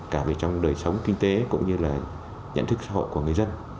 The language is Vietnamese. cả về trong đời sống kinh tế cũng như là nhận thức xã hội của người dân